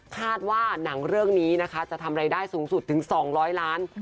คาดว่าหนังเรื่องนี้นะคะจะทำรายได้สูงสุดถึง๒๐๐ล้าน